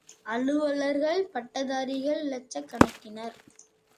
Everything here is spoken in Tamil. அலுவலர்கள், பட்டதாரிகள் இலட்சக்கணக்கினர்.